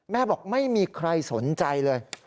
บอกไม่มีใครสนใจเลย